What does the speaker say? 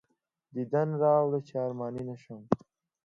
دیدن راوړه چې ارماني نه شم.